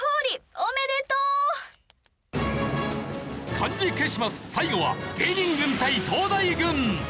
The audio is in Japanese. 漢字ケシマス最後は芸人軍対東大軍。